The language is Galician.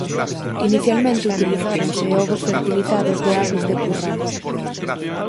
Inicialmente utilizáronse ovos fertilizados de aves de curral.